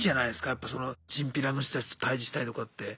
やっぱそのチンピラの人たちと対じしたりとかって。